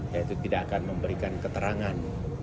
yaitu tidak akan memberikan keterangan